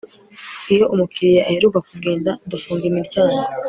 Iyo umukiriya aheruka kugenda dufunga imiryango